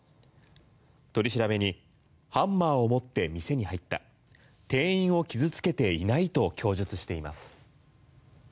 取り調べにハンマーを持って店に入った店員を傷つけていないと供述しています。